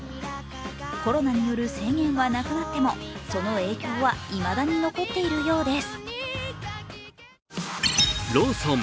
コロナによる制限はなくなっても、その影響はいまだに残っているようです。